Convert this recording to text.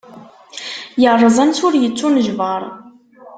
Yerreẓ ansi ur yettunejbar.